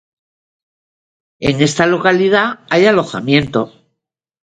En esta localidad hay alojamiento.